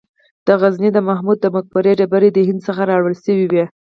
د غزني د محمود د مقبرې ډبرې د هند څخه راوړل شوې وې